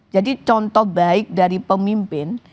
jadi contoh baik dari pemimpin